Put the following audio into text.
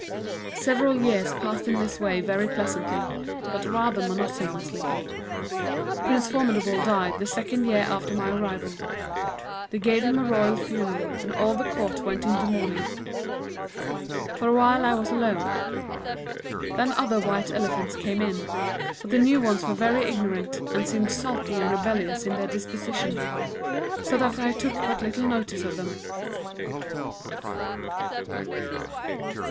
Several years passed in this way very pleasantly, but rather monotonously. Prince Formidable died the second year after my arrival. They gave him a Royal Funeral and all the Court went into mourning. For a while I was alone. Then other White Elephants came in; but the new ones were very ignorant, and seemed sulky and rebellious in their dispositions so that I took but little notice of them.